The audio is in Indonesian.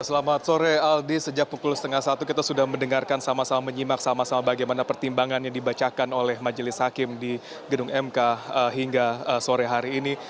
selamat sore aldi sejak pukul setengah satu kita sudah mendengarkan sama sama menyimak sama sama bagaimana pertimbangan yang dibacakan oleh majelis hakim di gedung mk hingga sore hari ini